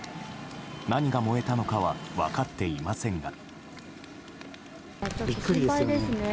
何が燃えたのかは分かっていませんが。